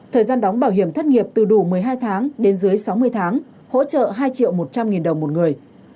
thời gian đóng bảo hiểm thất nghiệp từ đủ một mươi hai tháng đến dưới sáu mươi tháng hỗ trợ hai triệu một trăm linh nghìn đồng một người